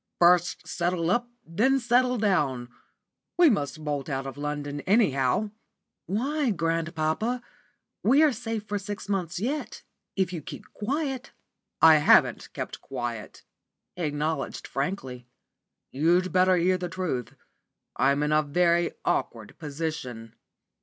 First settle up, then settle down. We must bolt out of London, anyhow." "Why, grandpapa? We are safe for six months yet, if you keep quiet." "I haven't kept quiet," he acknowledged frankly. "You'd better hear the truth. I'm in a very awkward position."